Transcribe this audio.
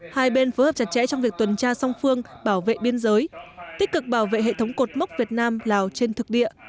hai bên phối hợp chặt chẽ trong việc tuần tra song phương bảo vệ biên giới tích cực bảo vệ hệ thống cột mốc việt nam lào trên thực địa